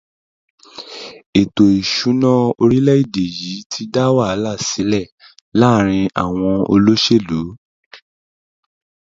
Ètò ìṣúná orílẹ̀ èdè yìí ti dá wàhálà sílẹ̀ láàárín àwọn olóṣèlu